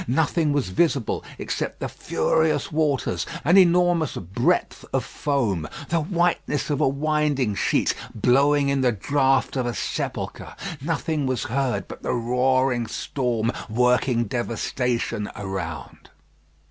Nothing was visible except the furious waters, an enormous breadth of foam, the whiteness of a winding sheet blowing in the draught of a sepulchre; nothing was heard but the roaring storm working devastation around.